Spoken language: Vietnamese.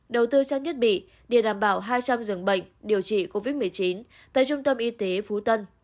đầu tư trang thiết bị để đảm bảo hai trăm linh dường bệnh điều trị covid một mươi chín tại trung tâm y tế phú tân